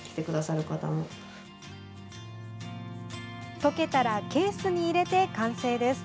溶けたらケースに入れて完成です。